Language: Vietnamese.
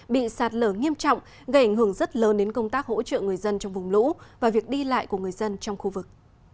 bị sạt lở nghiêm trọng gây ảnh hưởng rất lớn đến công tác hỗ trợ người dân trong vùng lũ và việc đi lại của người dân trong khu vực